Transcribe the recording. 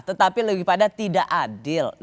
tetapi lebih pada tidak adil